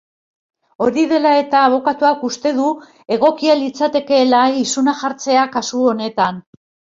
Hori dela eta, abokatuak uste du egokia litzatekeela isuna jartzea kasu honetan.